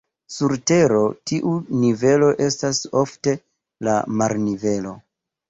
Sur Tero tiu nivelo estas ofte la marnivelo.